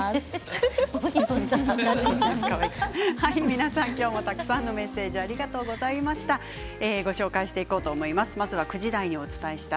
皆さん、今日もたくさんのメッセージありがとうございました。